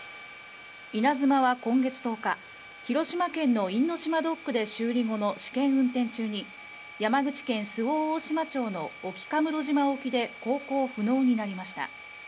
「いなづま」は今月１０日、広島県の因島ドックで修理後の試験運転中に山口県周防大島町の沖家室島沖で航行不能となりました。